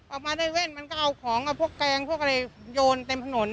ออกมาได้แว่นมันก็เอาของกับพวกแกงพวกอะไรโยนเต็มถนน